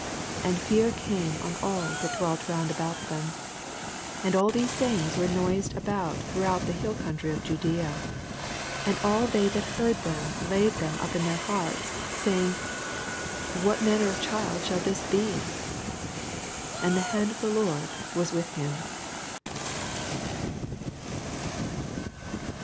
65 And fear came on all that dwelt round about them : and all these say • ings were noised abroad throughout allthe hill country of JudsBa. 66 And all they that heard thsm laid them up in their hearts, saying. What manner of child shall this be r And the hand of the Lord was with him.